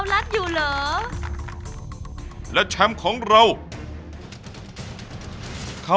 ซุปไก่เมื่อผ่านการต้มก็จะเข้มขึ้น